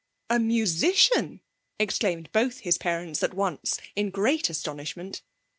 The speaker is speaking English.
'A musician!' exclaimed both his parents at once, in great astonishment.